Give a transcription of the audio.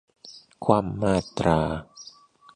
คว่ำมาตรา